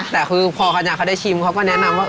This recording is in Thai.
แต่คือพอคณะเขาได้ชิมเขาก็แนะนำว่า